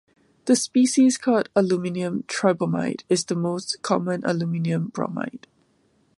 The species called "aluminium tribromide," is the most common aluminium bromide.